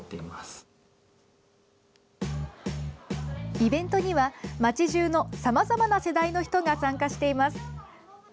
イベントには街中のさまざまな世代の人が参加しています。